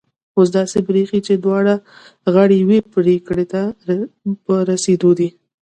اوس داسي برېښي چي دواړه غاړې یوې پرېکړي ته په رسېدو دي